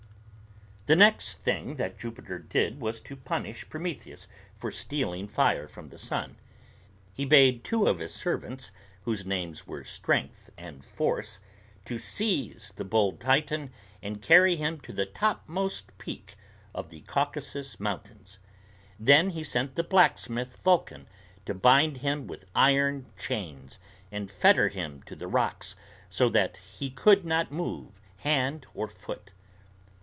The next thing that Jupiter did was to punish Prometheus for stealing fire from the sun. He bade two of his servants, whose names were Strength and Force, to seize the bold Titan and carry him to the topmost peak of the Caucasus Mountains. Then he sent the blacksmith Vulcan to bind him with iron chains and fetter him to the rocks so that he could not move hand or foot.